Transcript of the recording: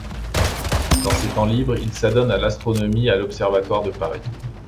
Dans ses temps libres il s'adonne à l'astronomie à l'observatoire de Paris.